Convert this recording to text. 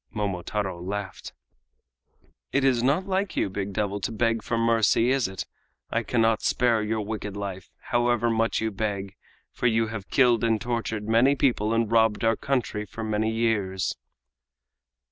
Momotaro laughed. "It is not like you, big devil, to beg for mercy, is it? I cannot spare your wicked life, however much you beg, for you have killed and tortured many people and robbed our country for many years."